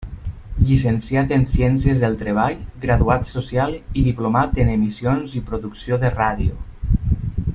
Llicenciat en Ciències del Treball, Graduat Social i Diplomat en Emissions i Producció de Ràdio.